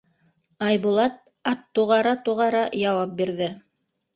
Айбулат ат туғара-туғара яуап бирҙе: